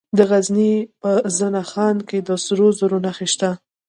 د غزني په زنه خان کې د سرو زرو نښې شته.